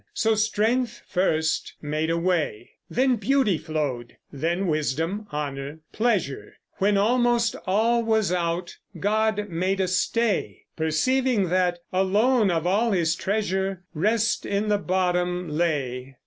So strength first made a way; Then beauty flowed; then wisdom, honor, pleasure. When almost all was out, God made a stay, Perceiving that, alone of all his treasure, Rest in the bottom lay.